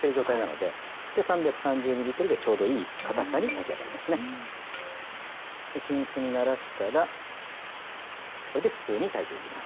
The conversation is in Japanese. で均一にならしたらこれで普通に炊いていきます。